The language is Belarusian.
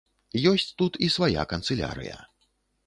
Ёсць тут і свая канцылярыя.